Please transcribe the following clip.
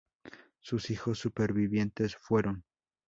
Sus hijos supervivientes fueron